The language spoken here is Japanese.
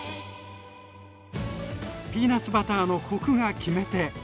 ピーナツバターのコクが決め手。